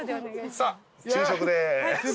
さあ昼食です。